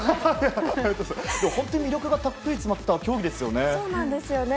本当に魅力がたっぷり詰まったそうなんですよね。